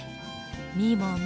みもも。